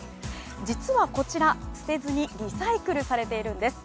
実はこちら、捨てずにリサイクルされているんです。